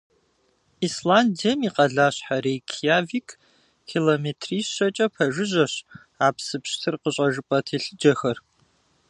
Исландием и къалащхьэ Рейкьявик километрищэкӀэ пэжыжьэщ а псы пщтыр къыщӀэжыпӀэ телъыджэхэр.